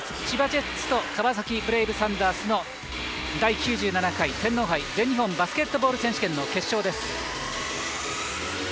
千葉ジェッツと川崎ブレイブサンダースの第９７天皇杯全日本バスケットボール選手権の決勝です。